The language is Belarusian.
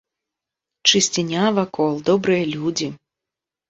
Чысціня вакол, добрыя людзі!